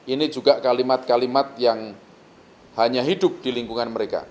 ini juga kalimat kalimat yang hanya hidup di lingkungan mereka